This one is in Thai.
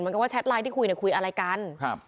เหมือนกับว่าแชทไลน์ที่คุยเนี่ยคุยอะไรกัน